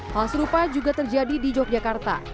hal serupa juga terjadi di yogyakarta